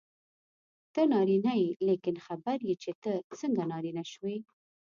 ته نارینه یې لیکن خبر یې چې ته څنګه نارینه شوې.